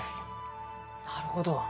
なるほど。